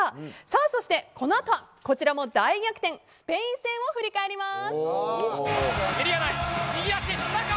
そして、この後はこちらも大逆転スペイン戦を振り返ります。